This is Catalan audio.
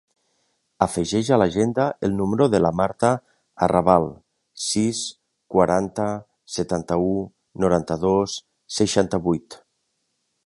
Afegeix a l'agenda el número de la Marta Arrabal: sis, quaranta, setanta-u, noranta-dos, seixanta-vuit.